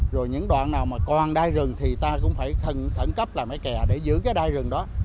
rồi những đoạn nào mà còn đai rừng thì ta cũng phải khẩn cấp làm cái kè để giữ cái đai rừng đó